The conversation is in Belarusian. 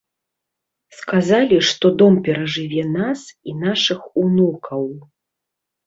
Сказалі, што дом перажыве нас і нашых унукаў.